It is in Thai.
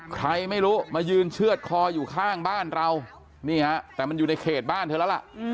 ใครไม่รู้มายืนเชื่อดคออยู่ข้างบ้านเรานี่ฮะแต่มันอยู่ในเขตบ้านเธอแล้วล่ะ